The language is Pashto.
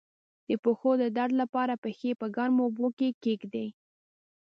د پښو د درد لپاره پښې په ګرمو اوبو کې کیږدئ